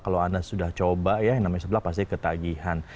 kalau anda sudah coba ya yang namanya sebelah pasti ketagihan